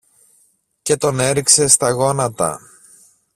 και τον έριξε στα γόνατα.